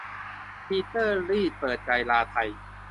ปีเตอร์ รีดเปิดใจลาไทย